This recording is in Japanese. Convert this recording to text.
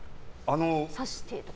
さして、とか。